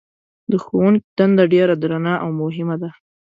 د ښوونکي دنده ډېره درنه او مهمه ده.